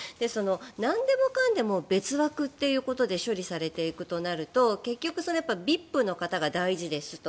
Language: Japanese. なんでもかんでも別枠ということで処理されていくとなると結局、ＶＩＰの方が大事ですと。